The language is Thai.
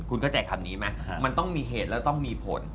คุณเข้าใจคำนี้ไหมมันต้องมีเหตุแล้วต้องมีผล